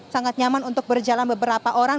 sangat nyaman untuk berjalan beberapa orang